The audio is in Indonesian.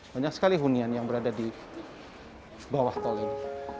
banyak sekali hunian yang berada di bawah tol ini